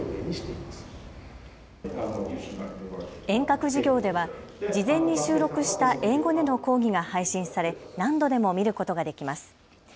遠隔授業では事前に収録した英語での講義が配信され何度でも見ることができます。